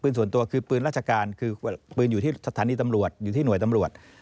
ส่วนตัวคือปืนราชการคือปืนอยู่ที่สถานีตำรวจอยู่ที่หน่วยตำรวจ